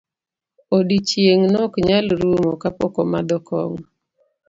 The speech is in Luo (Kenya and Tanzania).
Odiochieng' nok nyal rumo kapok omadho kong'o.